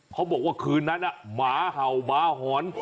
เขาบอกว่าคืนนั้นหมาเห่าหมาหอน